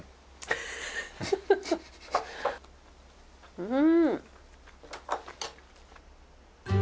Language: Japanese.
うん。